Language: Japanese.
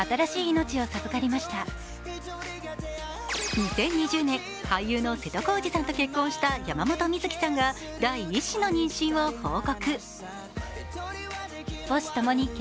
２０２０年、俳優の瀬戸康史さんと結婚した山本美月さんが第１子の妊娠を報告